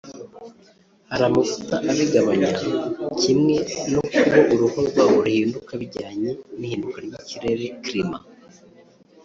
hari amavuta abigabanya kimwe no ku bo uruhu rwabo ruhinduka bijyanye n’ihinduka ry’ikirere (climat)